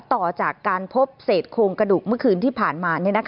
ต่อจากการพบเศษโครงกระดูกม